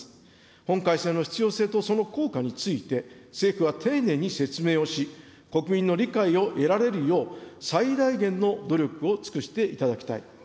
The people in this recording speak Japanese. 本改正の必要性とその効果について、政府は丁寧に説明をし、国民の理解を得られるよう、最大限の努力を尽くしていただきたい。